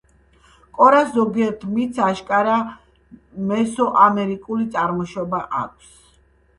კორას ზოგიერთ მითს აშკარა მესოამერიკული წარმოშობა აქვს.